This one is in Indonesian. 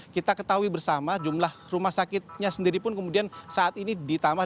kita ketahui bersama jumlah rumah sakitnya sendiri pun kemudian saat ini ditambah